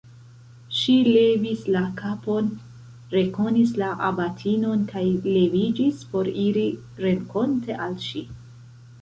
Ŝi levis la kapon, rekonis la abatinon kaj leviĝis por iri renkonte al ŝi.